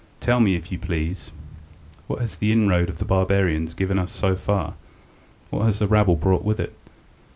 Tell me, if you please, what has the inroad of the barbarians given us so far? What has the rabble brought with it?"